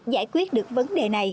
giải quyết được vấn đề này